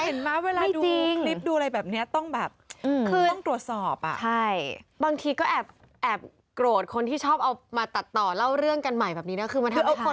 โอ๊ยโล่งไม่จริงใช่ไหม